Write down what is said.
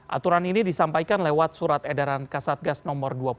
aturan ini disampaikan lewat surat edaran kasatgas no dua puluh